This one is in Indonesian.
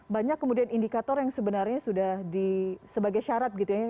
banyak kemudian indikator yang sebenarnya sudah sebagai syarat gitu ya